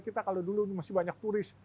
kita kalau dulu masih banyak turis